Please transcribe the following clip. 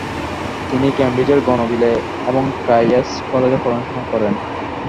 তিনি কেমব্রিজের গনভিলে এবং কাইয়াস কলেজে পড়াশোনা করেন।